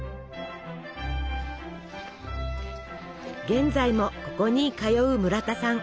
現在もここに通う村田さん。